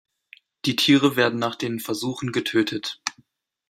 Die Tiere werden nach den Versuchen getötet.